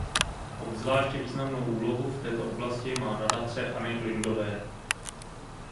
Obzvláště významnou úlohu v této oblasti má Nadace Anny Lindhové.